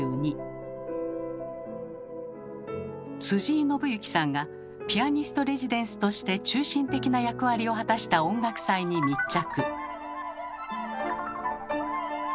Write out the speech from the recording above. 井伸行さんがピアニスト・レジデンスとして中心的な役割を果たした音楽祭に密着。